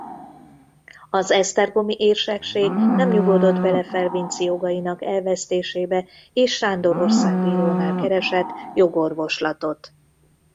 Az esztergomi érsekség nem nyugodott bele felvinci jogainak elvesztésébe és Sándor országbírónál keresett jogorvoslatot.